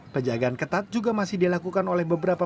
penjagaan ketat juga masih dilakukan oleh beberapa